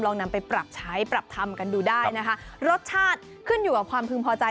นำไปปรับใช้ปรับทำกันดูได้นะคะรสชาติขึ้นอยู่กับความพึงพอใจ